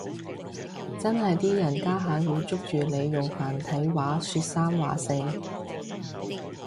真係啲人家下會捉住你用繁體話說三話四